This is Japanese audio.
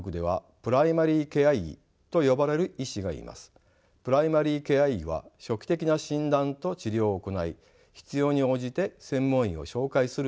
プライマリケア医は初期的な診断と治療を行い必要に応じて専門医を紹介する医師を指します。